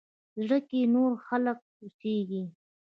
زړه کښې نور خلق اوسيږي